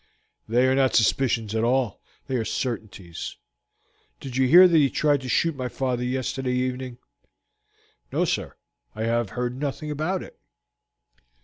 "They are not suspicions at all they are certainties. Did you hear that he tried to shoot my father yesterday evening?" "No, sir, I have heard nothing about it."